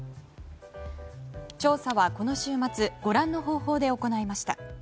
調査は、この週末ご覧の方法で行いました。